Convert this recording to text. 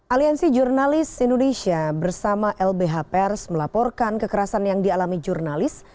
aliansi jurnalis indonesia bersama lbh pers melaporkan kekerasan yang dialami jurnalis